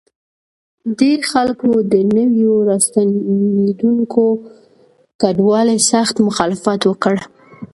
دې خلکو د نویو راستنېدونکو کډوالو سخت مخالفت وکړ.